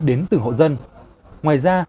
đến từ hộ dân ngoài ra